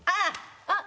あっ！